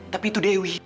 tapi itu dewi